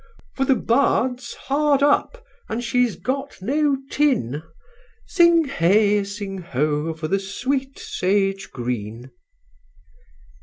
_) For the Bard's hard up, and she's got no tin. (_Sing Hey! Sing Ho! for the sweet Sage Green!